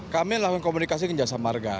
kami lakukan komunikasi dengan jasa marga